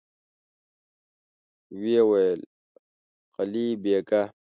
ويې ويل: قلي بېګه!